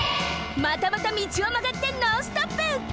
またまた道をまがってノンストップ！